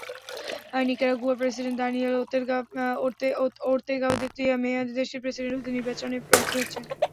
নিকারাগুয়ার president Daniel Ortega তৃতীয় মেয়াদে দেশটির প্রেসিডেন্ট হতে নির্বাচনে প্রার্থী হচ্ছেন।